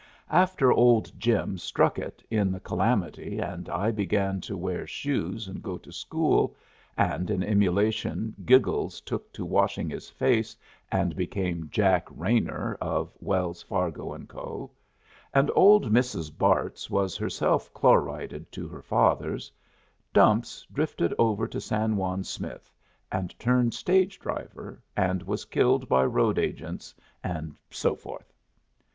After old Jim struck it in the Calamity and I began to wear shoes and go to school, and in emulation Giggles took to washing his face and became Jack Raynor, of Wells, Fargo & Co., and old Mrs. Barts was herself chlorided to her fathers, Dumps drifted over to San Juan Smith and turned stage driver, and was killed by road agents, and so forth.